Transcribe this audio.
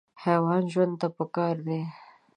حیوان ژوند ته پکار دی.